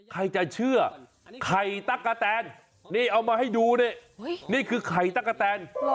ใครจะเชื่อไข่ตั๊กกะแตนนี่เอามาให้ดูนี่นี่คือไข่ตะกะแตน